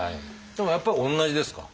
でもやっぱり同じですか？